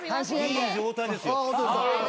いい状態ですよ。